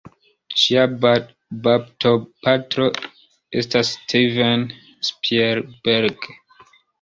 Ŝia baptopatro estas Steven Spielberg.